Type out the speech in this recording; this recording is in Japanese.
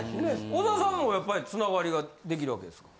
小沢さんもやっぱり繋がりができるわけですか？